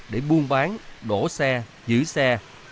để buôn bán đổ xe giữ xe